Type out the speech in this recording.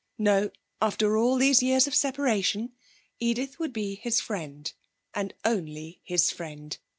No; after all these years of separation, Edith would be his friend, and only his friend.